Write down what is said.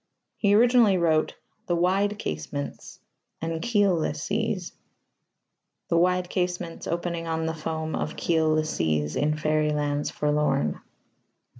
He originally wrote "the wide casements" and "keelless seas": the wide casements, opening on the foam Of keelless seas, in fairy lands forlorn.